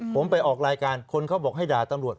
ผมไปออกรายการคนเขาบอกให้ด่าตำรวจ